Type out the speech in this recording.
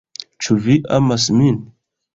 Ĉu vi amas min?